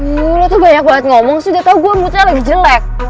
lu tuh banyak banget ngomong sih udah tau gua rambutnya lagi jelek